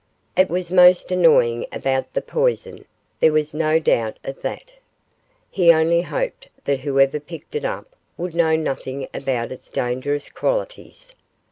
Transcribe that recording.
It was most annoying about the poison, there was no doubt of that. He only hoped that whoever picked it up would know nothing about its dangerous qualities.